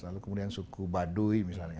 lalu kemudian suku baduy misalnya